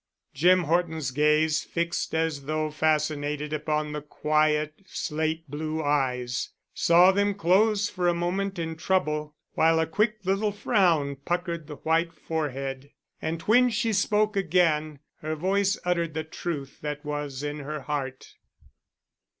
Jim Horton's gaze, fixed as though fascinated upon the quiet slate blue eyes, saw them close for a moment in trouble, while a quick little frown puckered the white forehead. And when she spoke again, her voice uttered the truth that was in her heart.